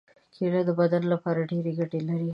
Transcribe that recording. کېله د بدن لپاره ډېرې ګټې لري.